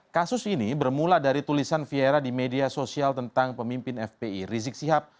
kasus ini bermula dari tulisan viera di media sosial tentang pemimpin fpi rizik sihab